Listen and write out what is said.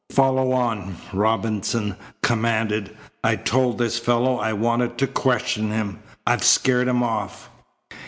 "Follow on," Robinson commanded. "I told this fellow I wanted to question him. I've scared him off."